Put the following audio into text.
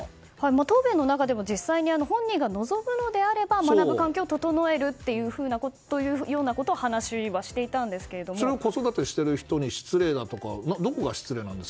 答弁の中でも実際に本人が望むのであれば学ぶ環境を整えるというようなことをそれは子育てしている人に失礼だというのはどこが失礼なんですか。